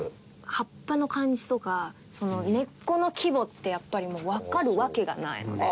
葉っぱの感じとか根っこの規模ってやっぱりもうわかるわけがないので。